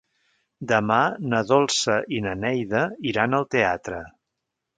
Demà na Dolça i na Neida iran al teatre.